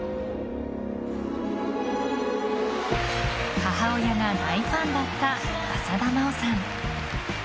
母親が大ファンだった浅田真央さん。